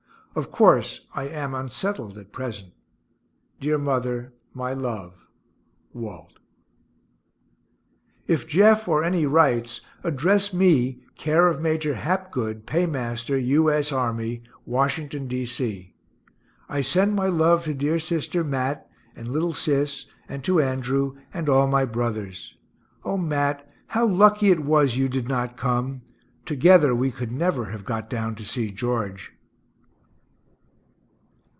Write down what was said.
Of course I am unsettled at present. Dear mother; my love. WALT. If Jeff or any writes, address me, care of Major Hapgood, paymaster, U. S. A. Army, Washington, D. C. I send my love to dear sister Mat, and little Sis and to Andrew and all my brothers. O Mat, how lucky it was you did not come together, we could never have got down to see George.